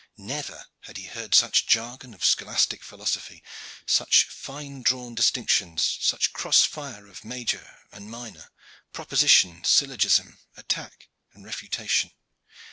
Never had he heard such jargon of scholastic philosophy, such fine drawn distinctions, such cross fire of major and minor, proposition, syllogism, attack and refutation.